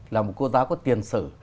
là một cô giáo có tiền sử